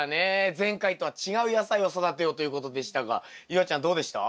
前回とは違う野菜を育てようということでしたが夕空ちゃんどうでした？